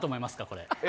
これ。